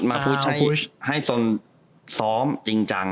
ให้ศนฟุตบอลซ้อมจริงจัง